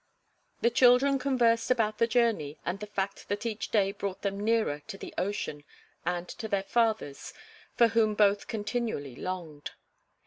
The children conversed about the journey and the fact that each day brought them nearer to the ocean and to their fathers, for whom both continually longed.